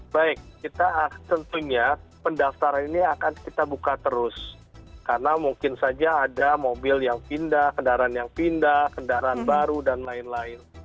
baik kita tentunya pendaftaran ini akan kita buka terus karena mungkin saja ada mobil yang pindah kendaraan yang pindah kendaraan baru dan lain lain